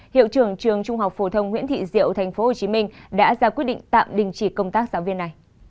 hiệu trưởng trường trung học phổ thông nguyễn thị diệu tp hcm đã ra quyết định tạm đình chỉ công tác giáo viên này